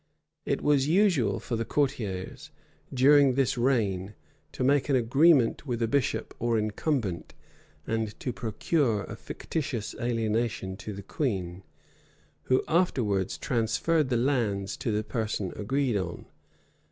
It was usual for the courtiers, during this reign, to make an agreement with a bishop or incumbent; and to procure a fictitious alienation to the queen, who afterwards transferred the lands to the person agreed on.